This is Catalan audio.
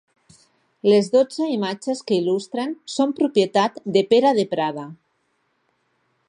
Les dotze imatges que l'il·lustren són propietat de Pere de Prada.